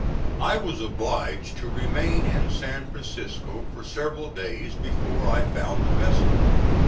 I was obliged to remain in San Francisco for several days before I found a vessel.